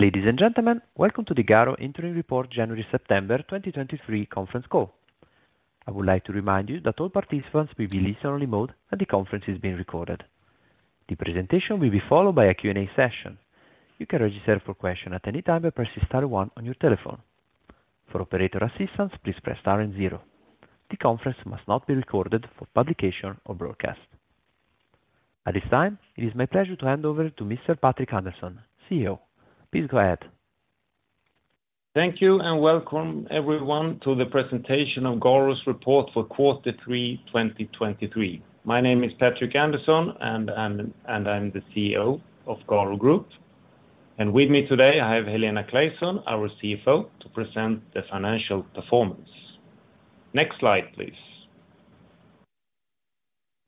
Ladies and gentlemen, welcome to the GARO Interim Report January-September 2023 conference call. I would like to remind you that all participants will be listen-only mode, and the conference is being recorded. The presentation will be followed by a Q&A session. You can register for question at any time by pressing star one on your telephone. For operator assistance, please press star and zero. The conference must not be recorded for publication or broadcast. At this time, it is my pleasure to hand over to Mr. Patrik Andersson, CEO. Please go ahead. Thank you, and welcome everyone to the presentation of GARO's report for quarter 3 2023. My name is Patrik Andersson, and I'm the CEO of GARO Group. With me today, I have Helena Claesson, our CFO, to present the financial performance. Next slide, please.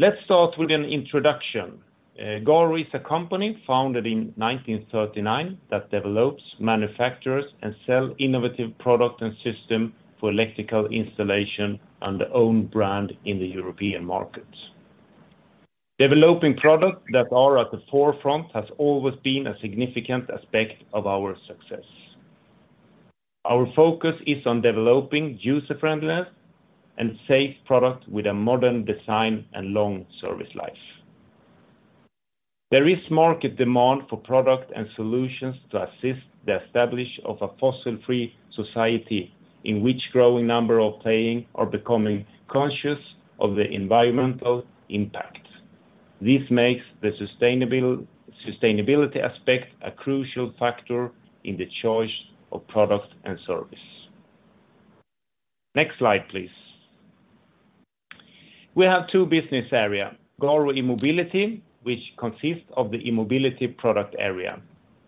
Let's start with an introduction. GARO is a company founded in 1939 that develops, manufactures, and sells innovative products and systems for electrical installation under own brand in the European markets. Developing products that are at the forefront has always been a significant aspect of our success. Our focus is on developing user-friendliness and safe products with a modern design and long service life. There is market demand for products and solutions to assist the establishment of a fossil-free society, in which growing number of people are becoming conscious of the environmental impact. This makes the sustainability aspect a crucial factor in the choice of product and service. Next slide, please. We have two business areas, GARO E-mobility, which consists of the E-mobility product area,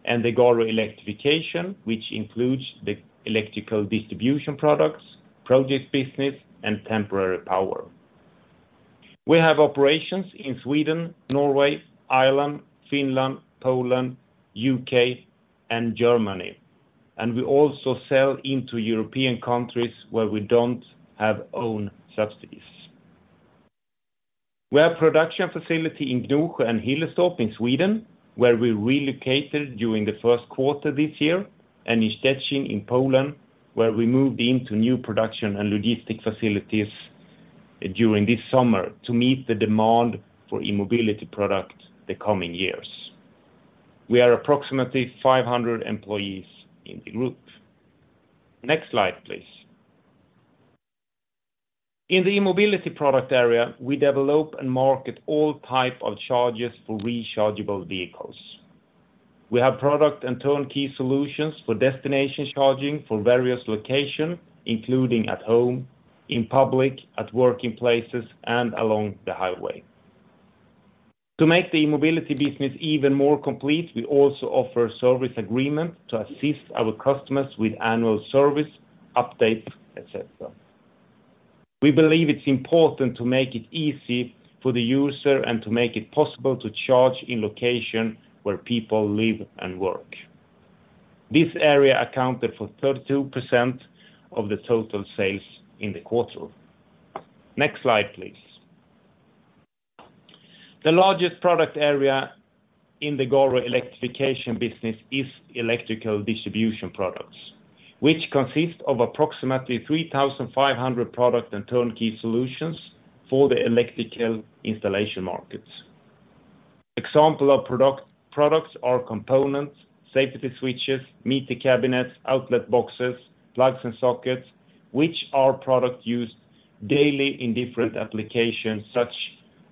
and the GARO Electrification, which includes the electrical distribution products, project business, and temporary power. We have operations in Sweden, Norway, Ireland, Finland, Poland, U.K., and Germany, and we also sell into European countries where we don't have own subsidiaries. We have production facilities in Gnosjö and Hillerstorp in Sweden, where we relocated during the first quarter this year, and in Szczecin in Poland, where we moved into new production and logistics facilities during this summer to meet the demand for E-mobility products in the coming years. We are approximately 500 employees in the group. Next slide, please. In the E-mobility product area, we develop and market all types of chargers for rechargeable vehicles. We have product and turnkey solutions for destination charging for various locations, including at home, in public, at working places, and along the highway. To make the E-mobility business even more complete, we also offer service agreement to assist our customers with annual service, updates, et cetera. We believe it's important to make it easy for the user and to make it possible to charge in location where people live and work. This area accounted for 32% of the total sales in the quarter. Next slide, please. The largest product area in the GARO Electrification business is electrical distribution products, which consist of approximately 3,500 product and turnkey solutions for the electrical installation markets. Examples of products are components, safety switches, meter cabinets, outlet boxes, plugs and sockets, which are products used daily in different applications, such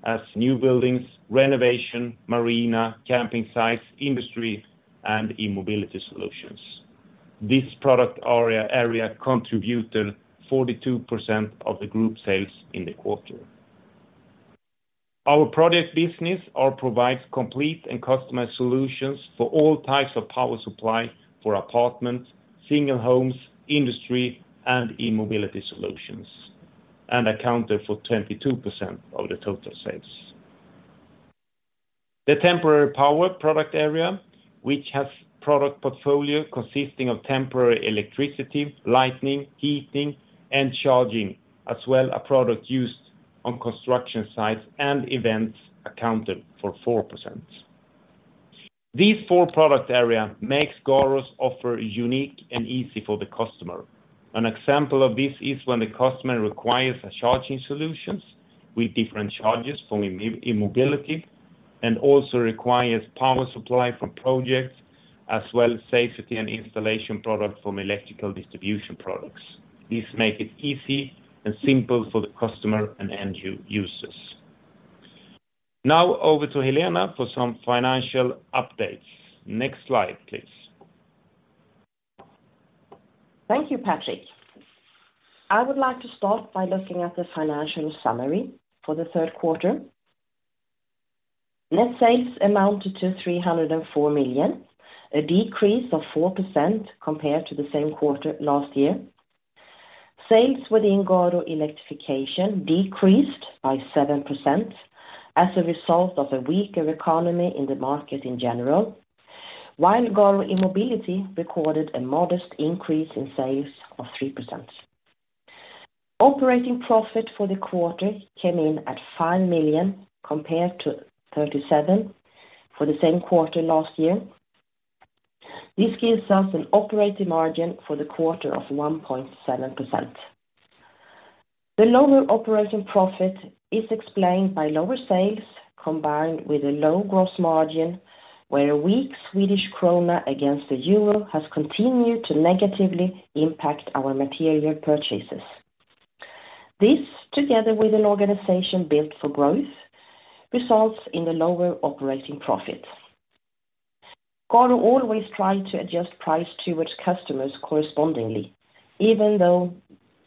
as new buildings, renovation, marina, camping sites, industry, and E-mobility solutions. This product area contributed 42% of the group sales in the quarter. Our project business provides complete and customized solutions for all types of power supply for apartment, single homes, industry, and E-mobility solutions, and accounted for 22% of the total sales. The temporary power product area, which has product portfolio consisting of temporary electricity, lighting, heating, and charging, as well as products used on construction sites and events, accounted for 4%. These four product areas make GARO's offer unique and easy for the customer. An example of this is when the customer requires a charging solutions with different chargers for E-mobility, and also requires power supply from projects, as well as safety and installation product from electrical distribution products. This make it easy and simple for the customer and end users. Now over to Helena for some financial updates. Next slide, please. Thank you, Patrik. I would like to start by looking at the financial summary for the third quarter. Net sales amounted to 304 million, a decrease of 4% compared to the same quarter last year. Sales within GARO Electrification decreased by 7% as a result of a weaker economy in the market in general, while GARO E-mobility recorded a modest increase in sales of 3%. Operating profit for the quarter came in at 5 million, compared to 37 million for the same quarter last year. This gives us an operating margin for the quarter of 1.7%. The lower operating profit is explained by lower sales, combined with a low gross margin, where a weak Swedish krona against the euro has continued to negatively impact our material purchases. This, together with an organization built for growth, results in the lower operating profit. GARO always try to adjust price towards customers correspondingly, even though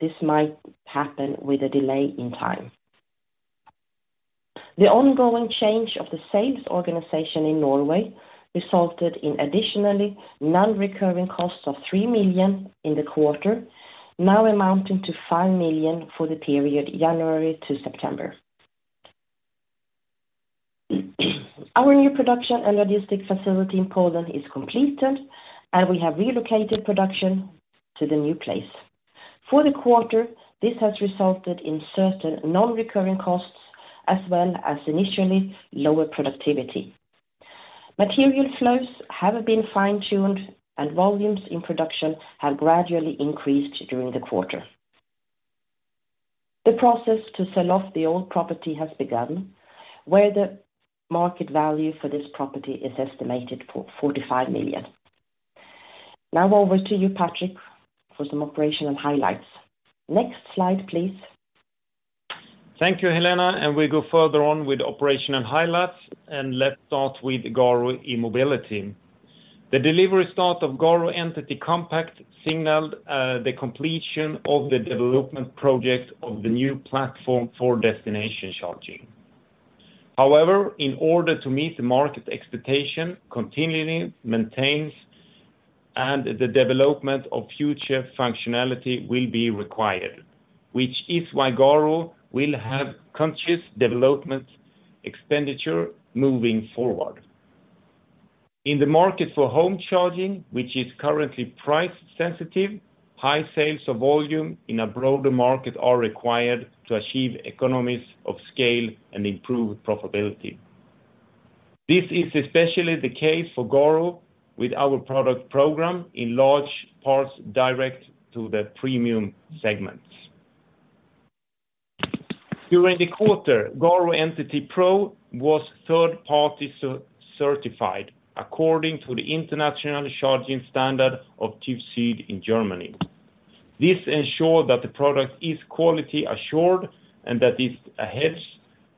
this might happen with a delay in time. The ongoing change of the sales organization in Norway resulted in additionally non-recurring costs of 3 million in the quarter, now amounting to 5 million for the period January to September. Our new production and logistics facility in Poland is completed, and we have relocated production to the new place. For the quarter, this has resulted in certain non-recurring costs as well as initially lower productivity. Material flows have been fine-tuned, and volumes in production have gradually increased during the quarter. The process to sell off the old property has begun, where the market value for this property is estimated for 45 million. Now over to you, Patrik, for some operational highlights. Next slide, please. Thank you, Helena, and we go further on with operational highlights, and let's start with GARO E-mobility. The delivery start of GARO Entity Compact signaled the completion of the development project of the new platform for destination charging. However, in order to meet the market expectation, continuing maintenance and the development of future functionality will be required, which is why GARO will have conscious development expenditure moving forward. In the market for home charging, which is currently price sensitive, high sales of volume in a broader market are required to achieve economies of scale and improved profitability. This is especially the case for GARO with our product program in large parts direct to the premium segments. During the quarter, GARO Entity Pro was third-party certified according to the international charging standard of TÜV SÜD in Germany. This ensures that the product is quality assured and that it adheres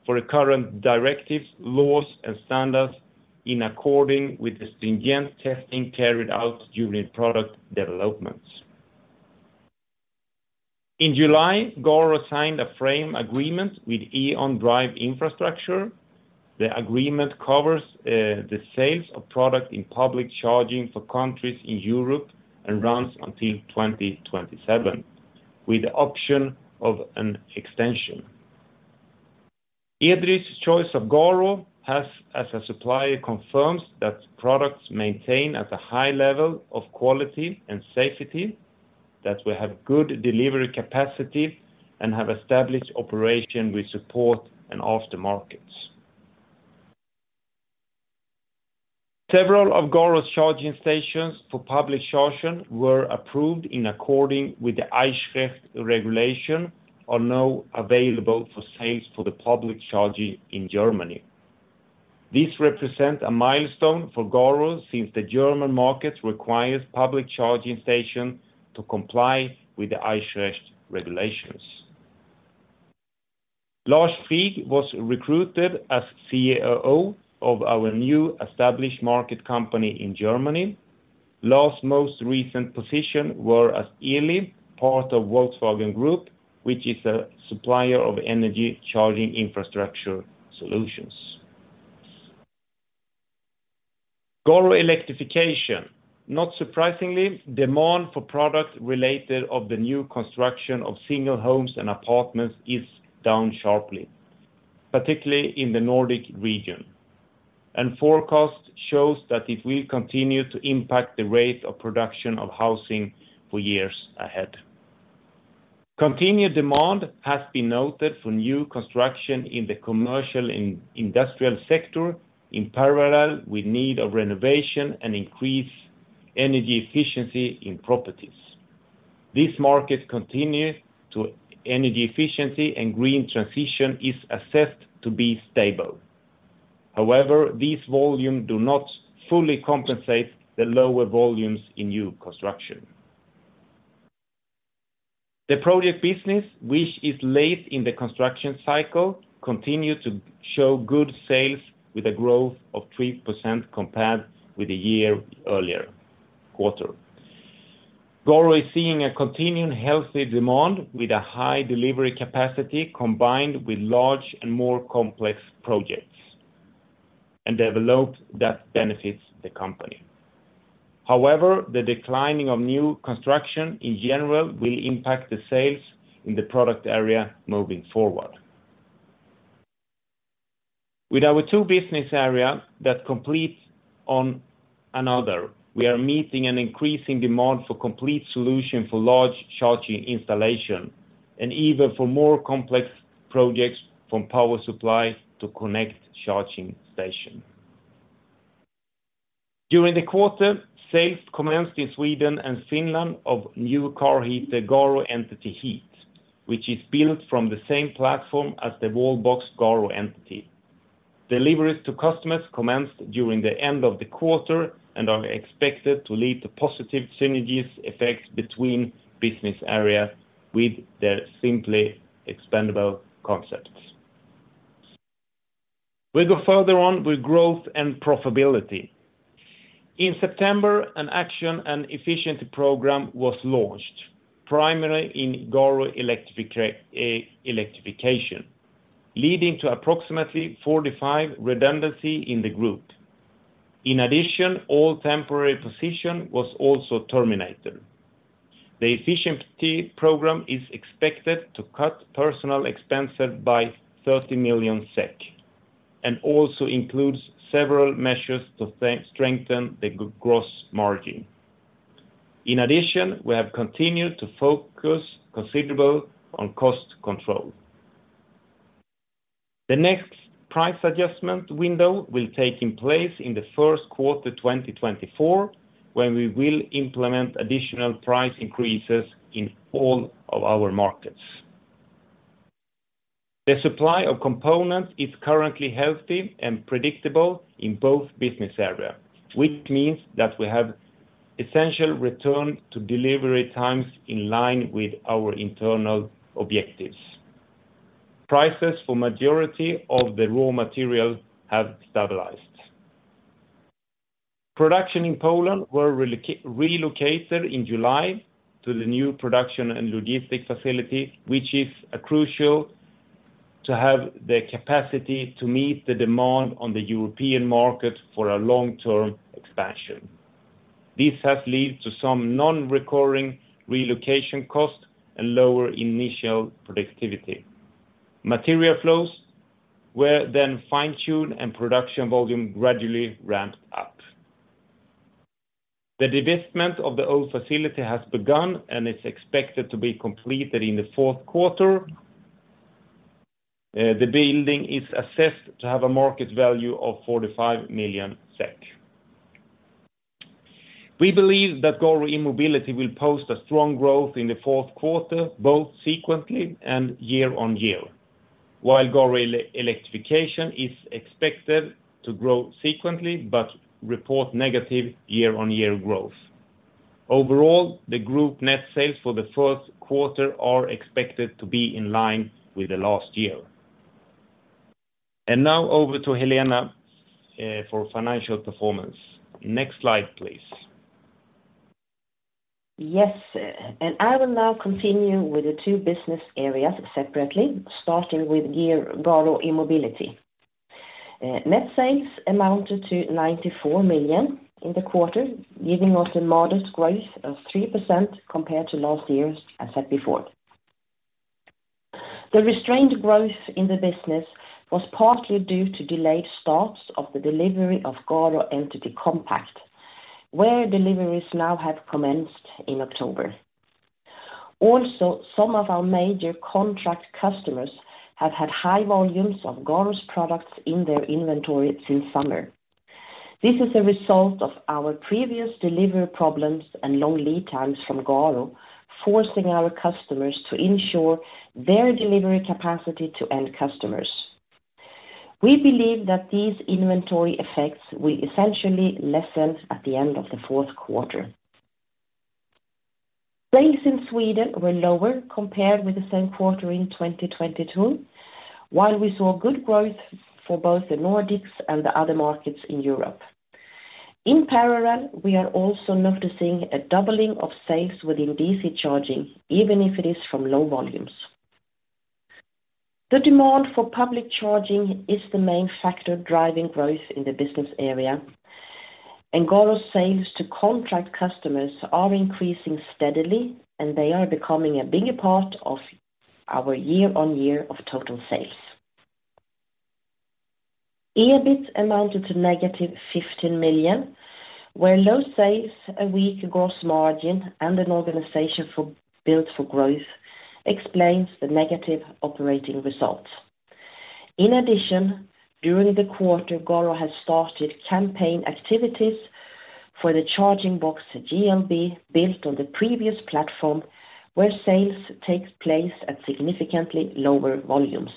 to the current directives, laws, and standards in accordance with the stringent testing carried out during product development. In July, GARO signed a framework agreement with E.ON Drive Infrastructure. The agreement covers the sales of product in public charging for countries in Europe and runs until 2027, with the option of an extension. E.ON's choice of GARO as a supplier confirms that products maintain a high level of quality and safety, that we have good delivery capacity and have established operations with support and aftermarket. Several of GARO's charging stations for public charging were approved in accordance with the Eichrecht regulation and are now available for sale in public charging in Germany. This represents a milestone for GARO since the German market requires public charging stations to comply with the Eichrecht regulations. Lars Frieg was recruited as COO of our new established market company in Germany. Lars' most recent position was at Elli, part of Volkswagen Group, which is a supplier of energy charging infrastructure solutions. GARO Electrification. Not surprisingly, demand for products related to the new construction of single homes and apartments is down sharply, particularly in the Nordic region. Forecast shows that it will continue to impact the rate of production of housing for years ahead. Continued demand has been noted for new construction in the commercial and industrial sector in parallel with need for renovation and increased energy efficiency in properties. This market continues to energy efficiency, and green transition is assessed to be stable. However, these volumes do not fully compensate the lower volumes in new construction. The project business, which is late in the construction cycle, continues to show good sales with a growth of 3% compared with the year-earlier quarter. GARO is seeing a continuing healthy demand with a high delivery capacity, combined with large and more complex projects, and they have a load that benefits the company. However, the decline in new construction in general will impact the sales in the product area moving forward... With our two business areas that complement one another, we are meeting an increasing demand for complete solutions for large charging installations and even for more complex projects from power supply to connected charging stations. During the quarter, sales commenced in Sweden and Finland of new car heater, the GARO Entity Heat, which is built from the same platform as the wallbox GARO Entity. Deliveries to customers commenced during the end of the quarter and are expected to lead to positive synergies effects between business area with their simply expandable concepts. We go further on with growth and profitability. In September, an action and efficiency program was launched, primarily in GARO Electrification, leading to approximately 45 redundancies in the group. In addition, all temporary positions were also terminated. The efficiency program is expected to cut personnel expenses by 30 million SEK, and also includes several measures to strengthen the gross margin. In addition, we have continued to focus considerable on cost control. The next price adjustment window will take place in the first quarter, 2024, when we will implement additional price increases in all of our markets. The supply of components is currently healthy and predictable in both business area, which means that we have essentially returned to delivery times in line with our internal objectives. Prices for the majority of the raw material have stabilized. Production in Poland was relocated in July to the new production and logistics facility, which is crucial to have the capacity to meet the demand on the European market for a long-term expansion. This has led to some non-recurring relocation costs and lower initial productivity. Material flows were then fine-tuned and production volume gradually ramped up. The divestment of the old facility has begun and is expected to be completed in the fourth quarter. The building is assessed to have a market value of 45 million SEK. We believe that GARO E-mobility will post a strong growth in the fourth quarter, both sequentially and year-on-year, while GARO Electrification is expected to grow sequentially but report negative year-on-year growth. Overall, the group net sales for the first quarter are expected to be in line with the last year. And now over to Helena for financial performance. Next slide, please. Yes, and I will now continue with the two business areas separately, starting with GARO E-mobility. Net sales amounted to 94 million in the quarter, giving us a modest growth of 3% compared to last year's, as said before. The restrained growth in the business was partly due to delayed starts of the delivery of GARO Entity Compact, where deliveries now have commenced in October. Also, some of our major contract customers have had high volumes of GARO's products in their inventory since summer. This is a result of our previous delivery problems and low lead times from GARO, forcing our customers to ensure their delivery capacity to end customers. We believe that these inventory effects will essentially lessen at the end of the fourth quarter. Sales in Sweden were lower compared with the same quarter in 2022, while we saw good growth for both the Nordics and the other markets in Europe. In parallel, we are also noticing a doubling of sales within DC charging, even if it is from low volumes. The demand for public charging is the main factor driving growth in the business area, and GARO sales to contract customers are increasing steadily, and they are becoming a bigger part of our year-on-year of total sales. EBIT amounted to -15 million, where low sales, a weak gross margin, and an organization for built for growth explains the negative operating results. In addition, during the quarter, GARO has started campaign activities for the charging box, GLB, built on the previous platform, where sales takes place at significantly lower volumes.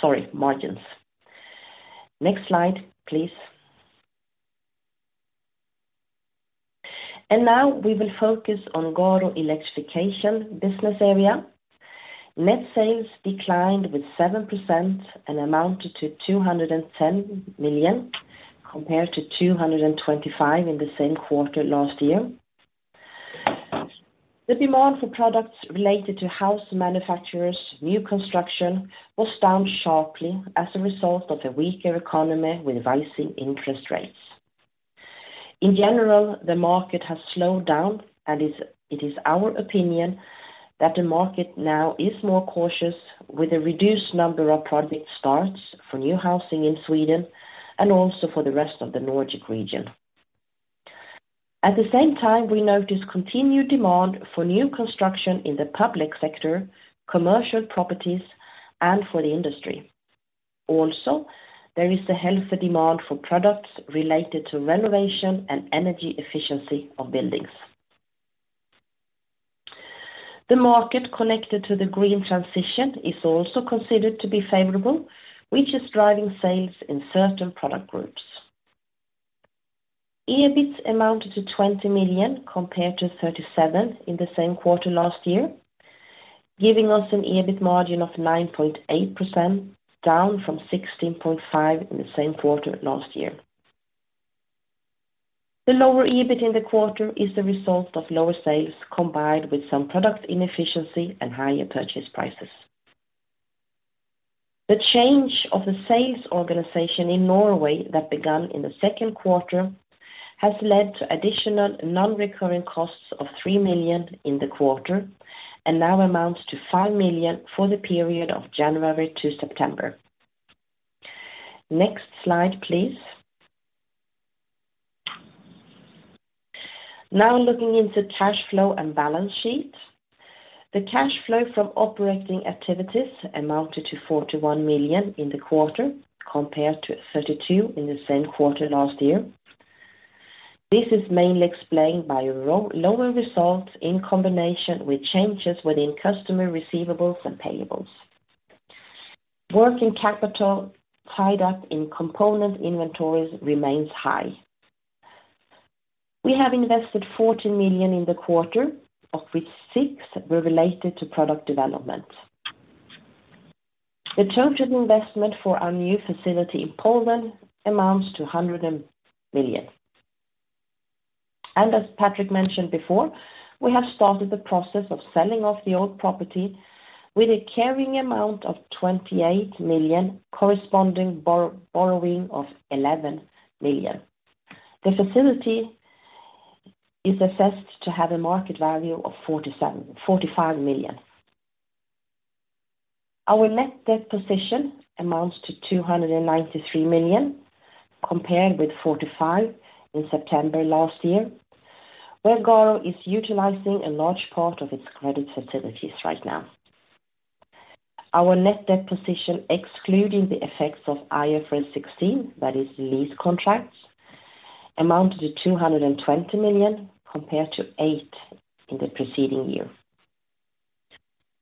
Sorry, margins. Next slide, please. And now we will focus on GARO Electrification business area. Net sales declined with 7% and amounted to 210 million, compared to 225 million in the same quarter last year. The demand for products related to house manufacturers, new construction, was down sharply as a result of a weaker economy with rising interest rates. In general, the market has slowed down, it is our opinion that the market now is more cautious, with a reduced number of project starts for new housing in Sweden and also for the rest of the Nordic region. At the same time, we notice continued demand for new construction in the public sector, commercial properties, and for the industry. Also, there is the healthy demand for products related to renovation and energy efficiency of buildings. The market connected to the green transition is also considered to be favorable, which is driving sales in certain product groups. EBIT amounted to 20 million, compared to 37 million in the same quarter last year, giving us an EBIT margin of 9.8%, down from 16.5% in the same quarter last year. The lower EBIT in the quarter is the result of lower sales, combined with some product inefficiency and higher purchase prices. The change of the sales organization in Norway that began in the second quarter has led to additional non-recurring costs of 3 million in the quarter and now amounts to 5 million for the period of January to September. Next slide, please. Now, looking into cash flow and balance sheet. The cash flow from operating activities amounted to 41 million in the quarter, compared to 32 million in the same quarter last year. This is mainly explained by lower results in combination with changes within customer receivables and payables. Working capital tied up in component inventories remains high. We have invested 14 million in the quarter, of which six were related to product development. The total investment for our new facility in Poland amounts to 100 million. As Patrik mentioned before, we have started the process of selling off the old property with a carrying amount of 28 million, corresponding borrowing of 11 million. The facility is assessed to have a market value of 45 million. Our net debt position amounts to 293 million, compared with 45 million in September last year, where GARO is utilizing a large part of its credit facilities right now. Our net debt position, excluding the effects of IFRS 16, that is lease contracts, amounted to 220 million, compared to 8 million in the preceding year.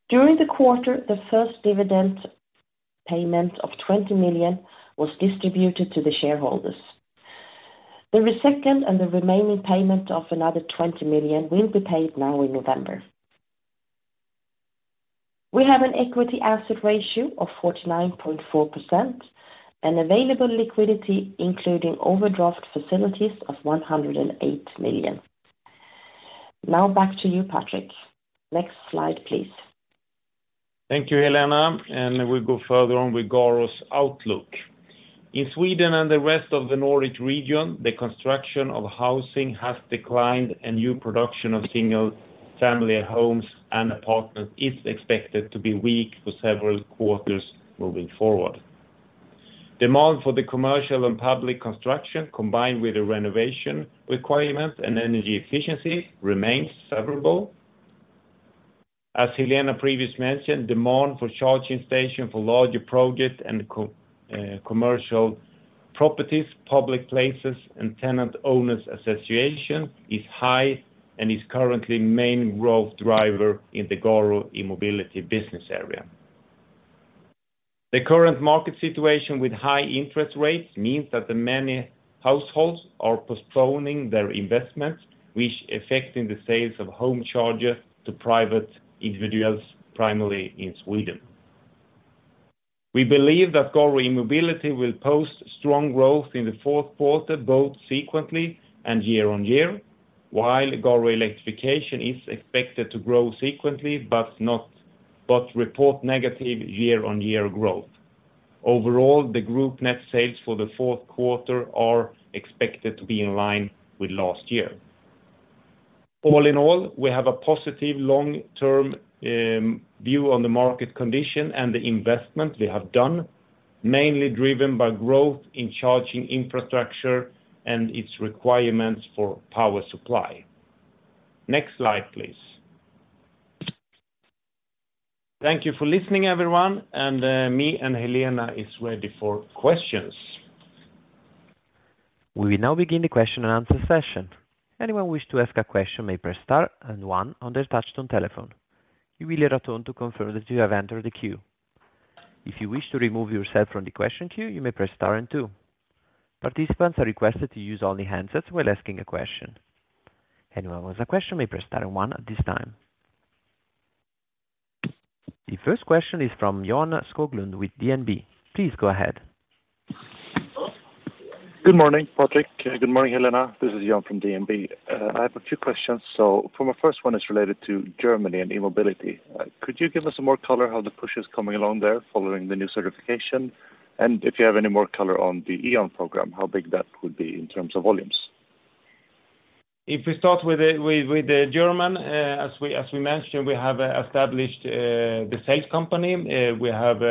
During the quarter, the first dividend payment of 20 million was distributed to the shareholders. The second and the remaining payment of another 20 million will be paid now in November. We have an equity asset ratio of 49.4%, and available liquidity, including overdraft facilities, of 108 million. Now back to you, Patrik. Next slide, please. Thank you, Helena, and we'll go further on with GARO's outlook. In Sweden and the rest of the Nordic region, the construction of housing has declined, and new production of single-family homes and apartments is expected to be weak for several quarters moving forward. Demand for the commercial and public construction, combined with the renovation requirements and energy efficiency, remains favorable. As Helena previously mentioned, demand for charging stations for larger projects and commercial properties, public places, and tenant owners association is high and is currently main growth driver in the GARO E-mobility business area. The current market situation with high interest rates means that the many households are postponing their investments, which affecting the sales of home chargers to private individuals, primarily in Sweden. We believe that GARO E-mobility will post strong growth in the fourth quarter, both sequentially and year-over-year, while GARO Electrification is expected to grow sequentially, but report negative year-over-year growth. Overall, the group net sales for the fourth quarter are expected to be in line with last year. All in all, we have a positive long-term view on the market condition and the investment we have done, mainly driven by growth in charging infrastructure and its requirements for power supply. Next slide, please. Thank you for listening, everyone, and me and Helena is ready for questions. We will now begin the question and answer session. Anyone wish to ask a question may press star and one on their touchtone telephone. You will hear a tone to confirm that you have entered the queue. If you wish to remove yourself from the question queue, you may press star and two. Participants are requested to use only handsets while asking a question. Anyone who has a question may press star and one at this time. The first question is from Johan Skoglund with DNB. Please go ahead. Good morning, Patrik. Good morning, Helena. This is Johan from DNB. I have a few questions. So for my first one is related to Germany and E-mobility. Could you give us some more color how the push is coming along there following the new certification? And if you have any more color on the E.ON program, how big that would be in terms of volumes? If we start with the Germany, as we mentioned, we have established the sales company. We have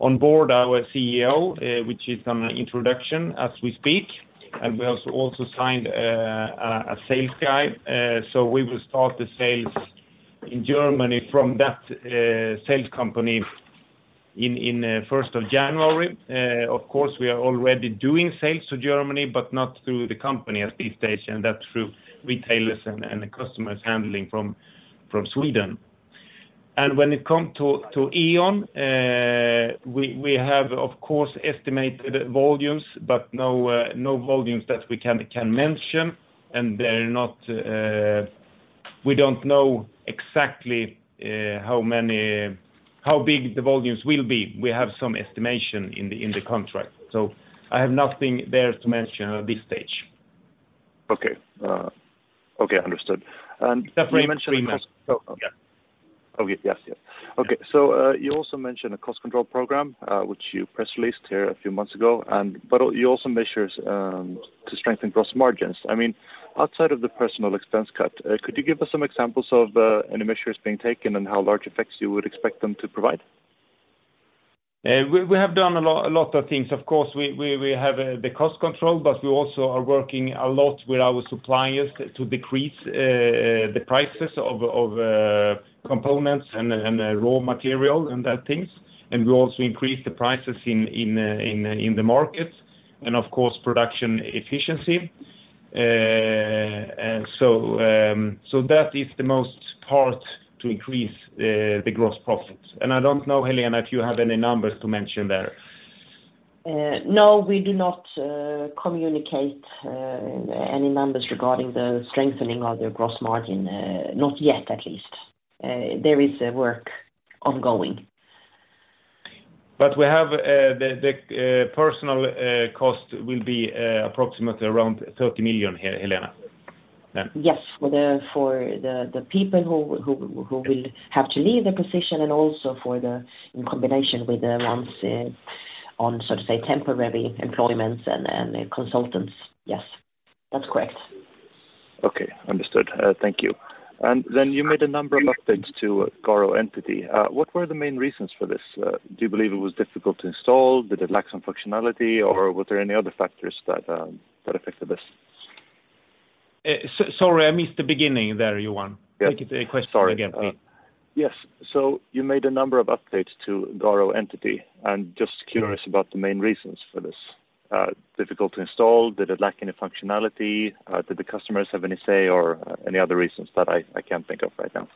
on board our CEO, which is an introduction as we speak, and we also signed a sales guy. So we will start the sales in Germany from that sales company in first of January. Of course, we are already doing sales to Germany, but not through the company at this stage, and that's through retailers and the customers handling from Sweden. When it come to E.ON, we have, of course, estimated volumes, but no volumes that we can mention, and they're not, we don't know exactly how big the volumes will be. We have some estimation in the contract, so I have nothing there to mention at this stage. Okay, okay, understood. And you mentioned- Yeah. Okay. Yes, yes. Okay. So, you also mentioned a cost control program, which you press released here a few months ago, and you also measures to strengthen gross margins. I mean, outside of the personnel expense cut, could you give us some examples of any measures being taken and how large effects you would expect them to provide? We have done a lot of things. Of course, we have the cost control, but we also are working a lot with our suppliers to decrease the prices of components and raw material and that things. We also increase the prices in the market, and of course, production efficiency. That is the most part to increase the gross profits. I don't know, Helena, if you have any numbers to mention there. No, we do not communicate any numbers regarding the strengthening of the gross margin, not yet, at least. There is a work ongoing. But we have the personal cost will be approximately around 30 million, Helena. Yes, for the people who will have to leave their position and also for the, in combination with the ones on, so to say, temporary employments and consultants. Yes, that's correct. Okay, understood. Thank you. And then you made a number of updates to GARO Entity. What were the main reasons for this? Do you believe it was difficult to install? Did it lack some functionality, or were there any other factors that affected this? Sorry, I missed the beginning there, Johan. Yeah. Take the question again, please. Sorry. Yes. So you made a number of updates to GARO Entity, and just curious about the main reasons for this. Difficult to install, did it lack any functionality, did the customers have any say or any other reasons that I can't think of right now?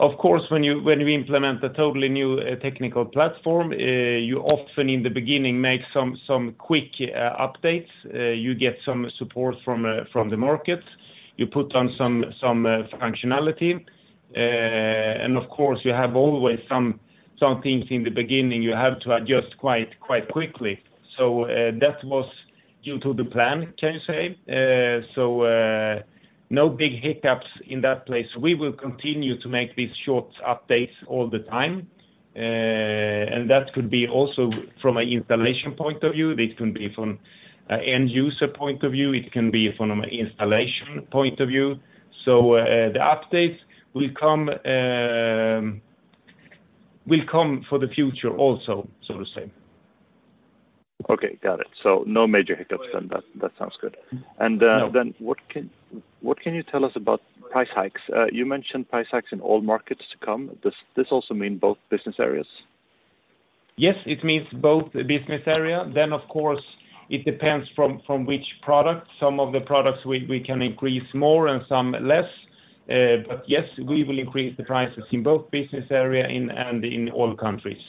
Of course, when we implement a totally new technical platform, you often, in the beginning, make some quick updates. You get some support from the market. You put on some functionality, and of course, you have always some things in the beginning you have to adjust quite quickly. So, that was due to the plan, can you say? So, no big hiccups in that place. We will continue to make these short updates all the time, and that could be also from an installation point of view. This can be from an end user point of view. It can be from an installation point of view. So, the updates will come for the future also, so to say. Okay, got it. So no major hiccups, then that, that sounds good. No. What can you tell us about price hikes? You mentioned price hikes in all markets to come. Does this also mean both business areas? Yes, it means both business area. Of course, it depends from which product. Some of the products we can increase more and some less. But yes, we will increase the prices in both business area in and in all countries.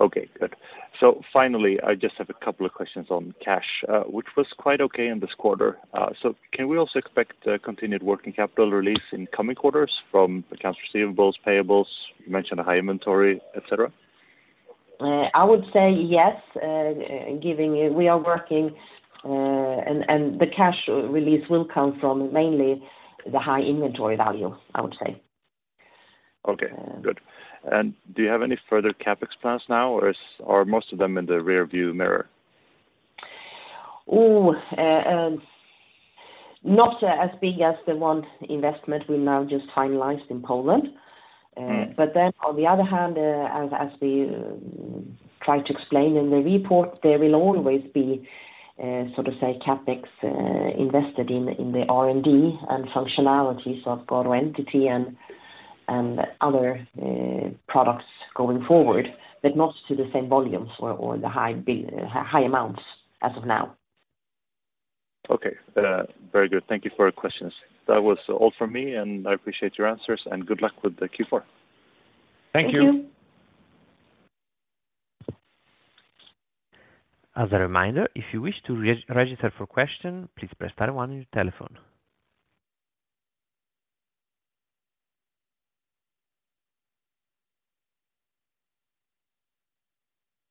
Okay, good. So finally, I just have a couple of questions on cash, which was quite okay in this quarter. So can we also expect continued working capital release in coming quarters from accounts receivables, payables? You mentioned a high inventory, et cetera. I would say yes. We are working, and the cash release will come from mainly the high inventory value, I would say. Okay, good. Do you have any further CapEx plans now, or are most of them in the rearview mirror? Not as big as the one investment we now just finalized in Poland. Mm. But then, on the other hand, as we try to explain in the report, there will always be, so to say, CapEx invested in the R&D and functionalities of GARO Entity and other products going forward, but not to the same volumes or the high amounts as of now. Okay, very good. Thank you for your questions. That was all from me, and I appreciate your answers, and good luck with the Q4. Thank you. Thank you. As a reminder, if you wish to re-register for question, please press star one on your telephone.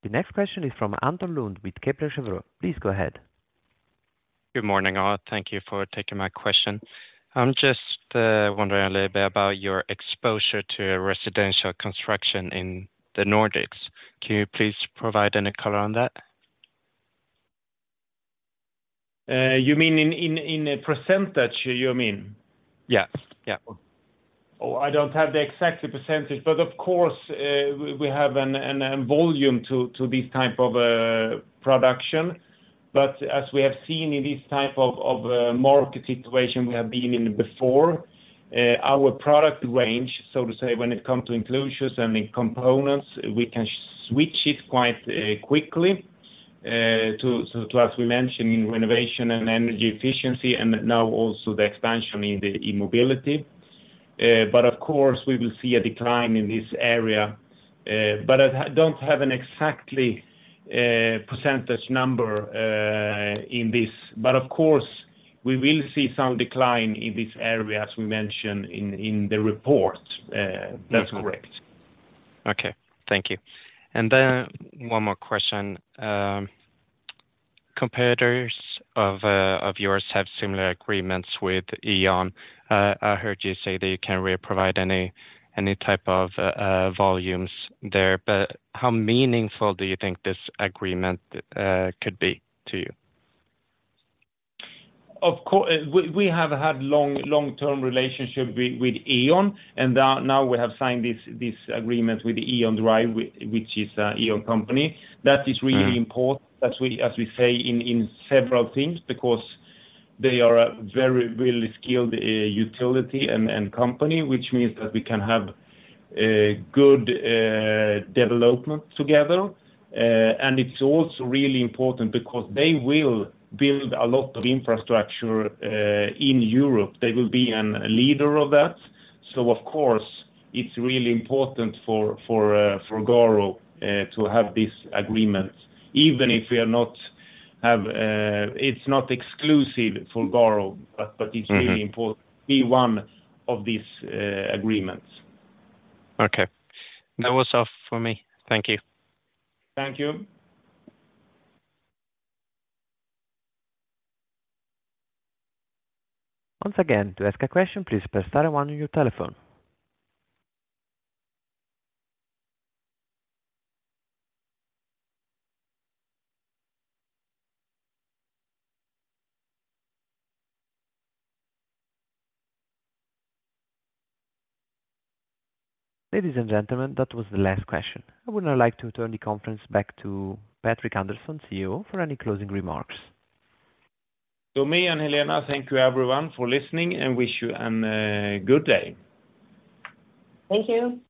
The next question is from Anton Lund with Kepler Cheuvreux. Please go ahead. Good morning, all. Thank you for taking my question. I'm just wondering a little bit about your exposure to residential construction in the Nordics. Can you please provide any color on that? You mean in a percentage, you mean? Yes. Yeah. Oh, I don't have the exact percentage, but of course, we have a volume to this type of production. But as we have seen in this type of market situation we have been in before, our product range, so to say, when it comes to enclosures and the components, we can switch it quite quickly to, so as we mentioned, in renovation and energy efficiency, and now also the expansion in the E-mobility. But of course, we will see a decline in this area, but I don't have an exact percentage number in this. But of course, we will see some decline in this area, as we mentioned in the report. That's correct. Okay. Thank you. And then one more question. Competitors of yours have similar agreements with E.ON. I heard you say that you can't really provide any type of volumes there, but how meaningful do you think this agreement could be to you? Of course, we have had long-term relationship with E.ON, and now we have signed this agreement with E.ON Drive, which is an E.ON company. That is really important, as we say in several teams, because they are a very really skilled utility and company, which means that we can have a good development together. And it's also really important because they will build a lot of infrastructure in Europe. They will be a leader of that. So of course, it's really important for GARO to have this agreement, even if we are not have, it's not exclusive for GARO, but it's really important to be one of these agreements. Okay. That was all for me. Thank you. Thank you. Once again, to ask a question, please press star one on your telephone. Ladies and gentlemen, that was the last question. I would now like to turn the conference back to Patrik Andersson, CEO, for any closing remarks. So, me and Helena, thank you everyone for listening, and wish you a good day. Thank you.